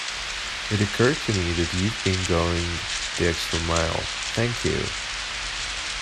It occurred to me you've been going the extra mile. Thank you!.